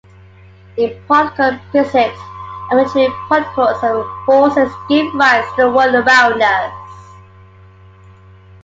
In particle physics, elementary particles and forces give rise to the world around us.